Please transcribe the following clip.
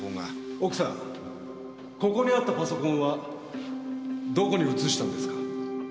奥さんここにあったパソコンはどこに移したんですか？